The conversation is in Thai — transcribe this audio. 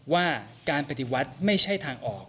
ว่าการปฏิวัติไม่ใช่ทางออก